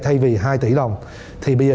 thay vì hai tỷ đồng thì bây giờ